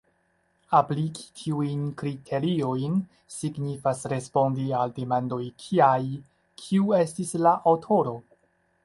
Apliki tiujn kriteriojn signifas respondi al demandoj kiaj: Kiu estis la aŭtoro?